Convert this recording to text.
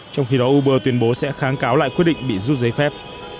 trong khi đó uber tuyên bố sẽ kháng cáo lại quyết định bị rút giấy phép